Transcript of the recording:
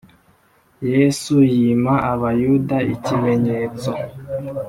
Yesu yima Abayuda ikimenyetso